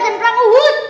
dan perang uhud